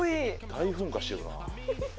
大噴火してるな。